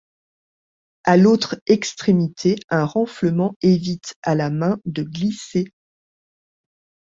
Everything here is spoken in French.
À l'autre extrémité un renflement évite à la main de glisser.